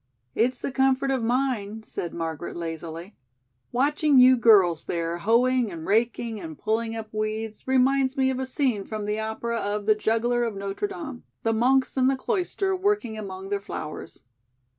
"It's the comfort of mine," said Margaret lazily. "Watching you girls there hoeing and raking and pulling up weeds reminds me of a scene from the opera of 'The Juggler of Notre Dame,' the monks in the cloister working among their flowers."